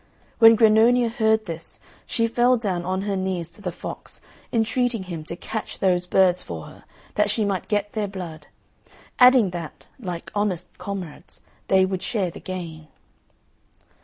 When Grannonia heard this, she fell down on her knees to the fox, entreating him to catch those birds for her, that she might get their blood; adding that, like honest comrades, they would share the gain.